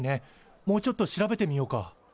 もうちょっと調べてみようか。